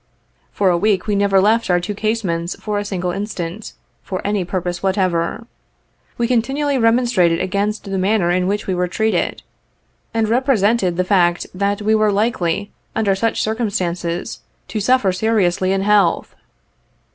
For a week we never left our two casemates for a single instant, for any purpose whatever. We continually remonstrated against the manner in which we were treated, and represented the fact that we were likely, under such circumstances, to suffer seriously in health.